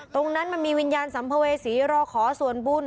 ตรงนั้นมันมีวิญญาณสัมภเวษีรอขอส่วนบุญ